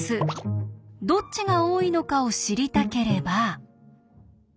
どっちが多いのかを知りたければ。